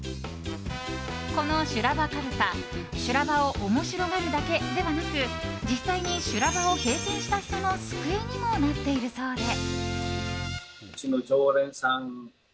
この修羅場かるた修羅場を面白がるだけではなく実際に修羅場を経験した人の救いにもなっているそうで。